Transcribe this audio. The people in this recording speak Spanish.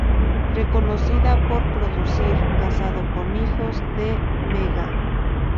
Reconocida por producir "Casado con hijos" de Mega.